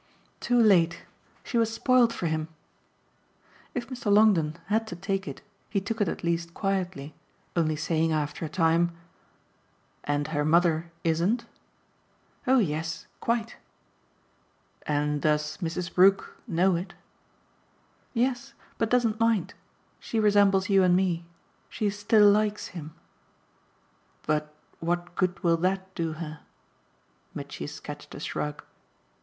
"Too late. She was spoiled for him." If Mr. Longdon had to take it he took it at least quietly, only saying after a time: "And her mother ISN'T?" "Oh yes. Quite." "And does Mrs. Brook know it?" "Yes, but doesn't mind. She resembles you and me. She 'still likes' him." "But what good will that do her?" Mitchy sketched a shrug.